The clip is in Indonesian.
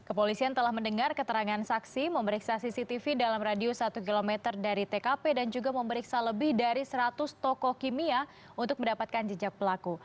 kepolisian telah mendengar keterangan saksi memeriksa cctv dalam radius satu km dari tkp dan juga memeriksa lebih dari seratus toko kimia untuk mendapatkan jejak pelaku